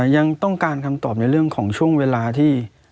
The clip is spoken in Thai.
ยังต้องการคำตอบในเรื่องของช่วงเวลาที่